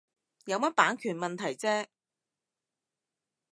有乜版權問題啫